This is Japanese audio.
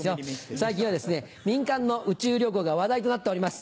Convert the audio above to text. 最近は民間の宇宙旅行が話題となっております。